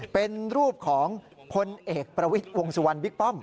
เป็นรูปของพลเอกประวิทย์วงสุวรรณบิ๊กป้อม